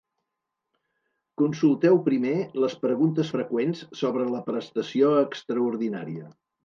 Consulteu primer les preguntes freqüents sobre la prestació extraordinària.